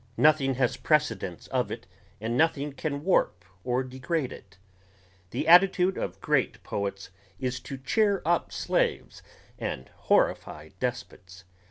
Nothing has precedence of it and nothing can warp or degrade it. The attitude of great poets is to cheer up slaves and horrify despots.